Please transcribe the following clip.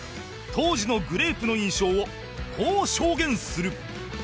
当時のグレープの印象をこう証言する